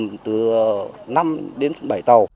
theo người dân địa phương